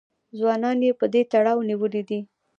ځوانان یې په دې تړاو نیولي دي